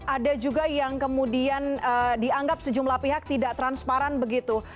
ada juga yang kemudian dianggap sejumlah pihak tidak transparan begitu